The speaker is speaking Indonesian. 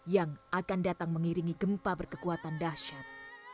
yang akan datang mengiringi gempa berkekuatan dahsyat